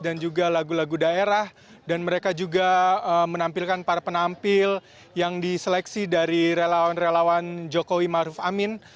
dan juga lagu lagu daerah dan mereka juga menampilkan para penampil yang diseleksi dari relawan relawan jokowi ma'ruf amin